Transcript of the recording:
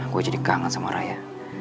gue jadi kangen sama raya